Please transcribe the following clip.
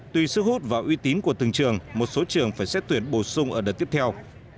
tuy sức hút và uy tín của từng trường một số trường phải xét tuyển bổ sung ở đợt tiếp theo